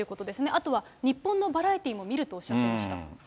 あとは、日本のバラエティーも見るっておっしゃってました。